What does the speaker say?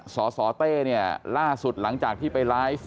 สสเต้เนี่ยล่าสุดหลังจากที่ไปไลฟ์